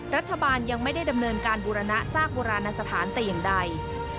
รัฐบาลยังไม่ได้ดำเนินการบูรณะซากโบราณสถานแต่อย่างใด